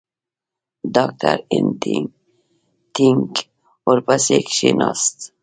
ډاکټر هینټیګ ورپسې کښېنست.